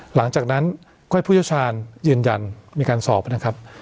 หลังจากนั้นค่อยพุทธชาญยืนยันมีการสอบนะครับ